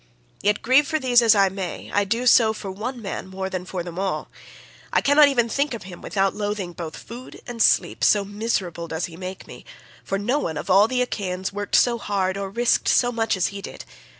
Yet grieve for these as I may, I do so for one man more than for them all. I cannot even think of him without loathing both food and sleep, so miserable does he make me, for no one of all the Achaeans worked so hard or risked so much as he did.